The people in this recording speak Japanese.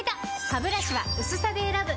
ハブラシは薄さで選ぶ！